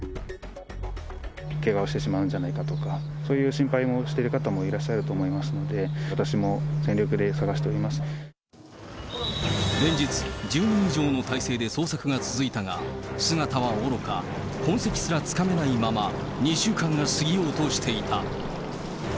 けがをしてしまうんじゃないかとか、そういう心配をしている方もいらっしゃると思いますので、連日、１０人以上の態勢で捜索が続いたが、姿はおろか、痕跡すらつかめないまま、２週間が過ぎようとしていた。